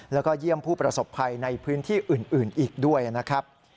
แล้วก็เยี่ยมผู้ประสบภัยในพื้นที่อื่นอีกด้วยนะครับ